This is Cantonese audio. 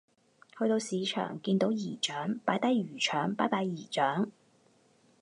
去到市場見到姨丈擺低魚腸拜拜姨丈